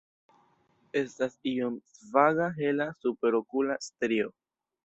Estas iom svaga hela superokula strio.